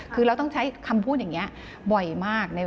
คือเราต้องใช้คำพูดอย่างนี้บ่อยมาก